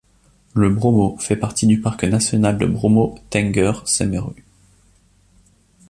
Le Bromo fait partie du parc national de Bromo-Tengger-Semeru.